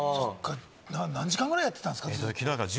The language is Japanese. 何時間ぐらいやってたんですか？